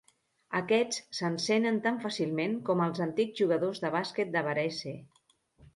Aquests s'encenen tan fàcilment com els antics jugadors de bàsquet de Varese.